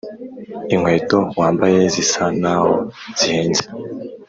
inkweto wambaye zisa naho zihenze.